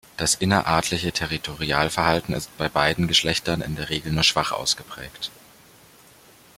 Das innerartliche Territorialverhalten ist bei beiden Geschlechtern in der Regel nur schwach ausgeprägt.